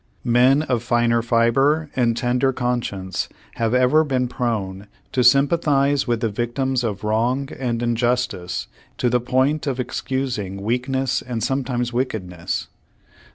Men of fine fiber and tender conscience have ever been prone to sympatliize v/ith the victims of wrong and in justice to the point of excusing weakness and som.etimxes wickedness.